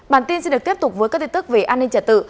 bản tin xin được tiếp tục với các tin tức về an ninh trả tự